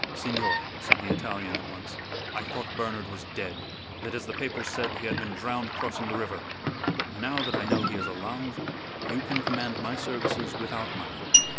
"Signor," said the Italian at once, "I thought Bernard was dead; that, as the papers said, he had been drowned crossing the river. But now that I know he is alive, you can command my services without money.